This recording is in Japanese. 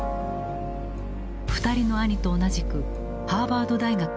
２人の兄と同じくハーバード大学を卒業。